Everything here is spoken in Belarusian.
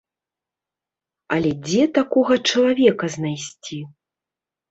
Але дзе такога чалавека знайсці?